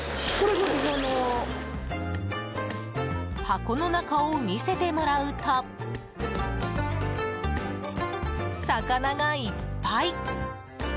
箱の中を見せてもらうと魚がいっぱい！